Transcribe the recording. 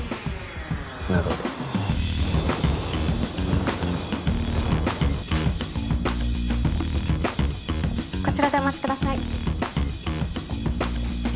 なるほどこちらでお待ちください